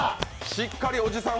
しっかりおじさん